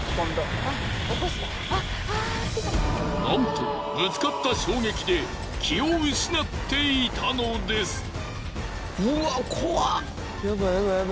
なんとぶつかった衝撃で気を失っていたのです。